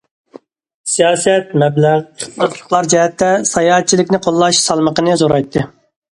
سىياسەت، مەبلەغ، ئىختىساسلىقلار جەھەتتە ساياھەتچىلىكنى قوللاش سالمىقىنى زورايتتى.